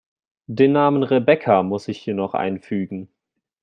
Den Namen Rebecca muss ich hier noch einfügen.